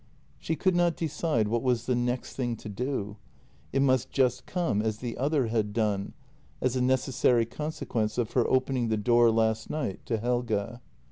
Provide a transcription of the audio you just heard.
She could not decide what was the next thing to do — it must just come as the other had done, as a necessary con sequence of her opening the door last night to Helge.